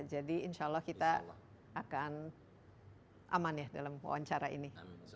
jadi insyaallah kita akan aman ya dalam wawancara ini